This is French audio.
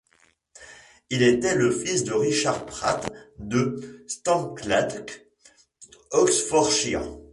Il était le fils de Richard Pratt de Standlake, Oxfordshire.